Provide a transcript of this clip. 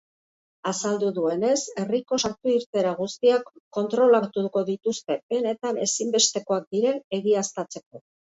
Azaldu duenez, herriko sartu-irteera guztiak kontrolatuko dituzte, benetan ezinbestekoak diren egiaztatzeko.